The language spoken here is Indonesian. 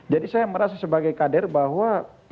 jadi saya merasa sebagai kader bahwa